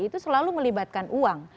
itu selalu melibatkan uang